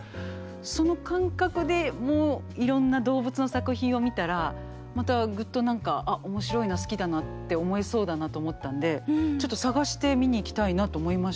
その感覚でもういろんな動物の作品を見たらまたグッと何か「あっ面白いな好きだなって思えそうだな」と思ったんでちょっと探して見に行きたいなと思いましたね。